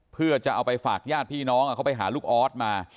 เพื่อจะเอาไปฝากญาติพี่น้องเขาไปหาลูกออสมา